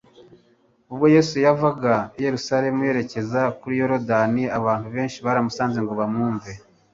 Ubwo Yesu yavaga i Yerusalemu yerekeza kuri Yorodani, abantu benshi baramusanze ngo bamwumve